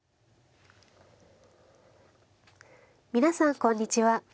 皆さんこんにちは。